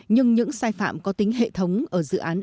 nhưng những sai phạm có tính hệ thống ở dự án